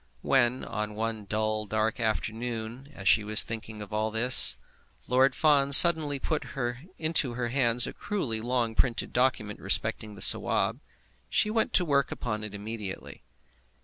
When, on one dull, dark afternoon, as she was thinking of all this, Lord Fawn suddenly put into her hands a cruelly long printed document respecting the Sawab, she went to work upon it immediately.